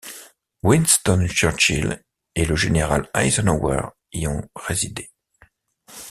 Winston Churchill et le général Eisenhower y ont résidé.